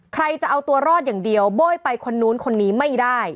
ใครจะเอาตัวรอดอย่างเดียวโบ้ยไปคนนู้นคนนี้ไม่ได้